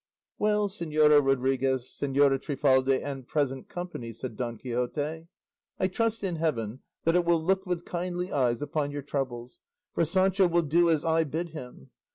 "Well, Señora Rodriguez, Señora Trifaldi, and present company," said Don Quixote, "I trust in Heaven that it will look with kindly eyes upon your troubles, for Sancho will do as I bid him.